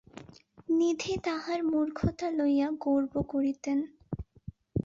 নিধি তাঁহার মূর্খতা লইয়া গর্ব করিতেন।